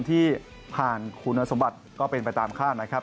ที่ผ่านคุณสมบัติก็เป็นไปตามคาดนะครับ